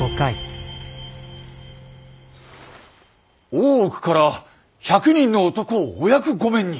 大奥から１００人の男をお役御免に？